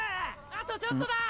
・・あとちょっとだ！